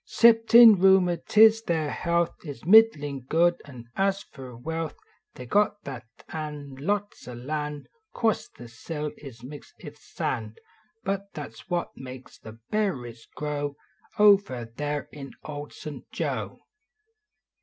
Ceptin rheiiinati/., their health Is middlin good, an as fer wealth They got that, an lots <> land ; Course the sile is mixed ith sand ; But that s what makes the berries grow Over there at Old St. Joe.